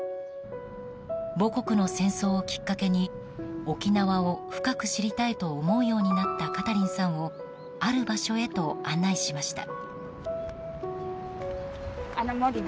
母国の戦争をきっかけに沖縄を深く知りたいと思うようになったカタリンさんをある場所へと案内しました。